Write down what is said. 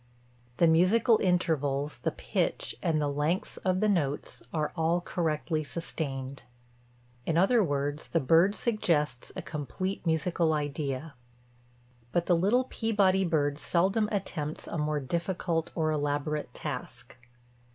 The musical intervals, the pitch, and the lengths of the notes are all correctly sustained. In other words the bird suggests a complete musical idea. But the little Peabody bird seldom attempts a more difficult or elaborate task.